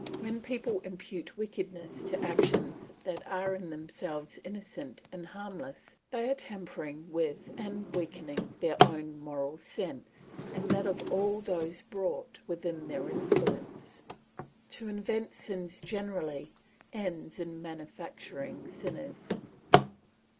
When people impute wickedness to actions that are in themselves innocent and harmless, they are tampering with and weakening their own moral sense, and that of all those brought within their influence. To invent sins generally ends in manufacturing sinners.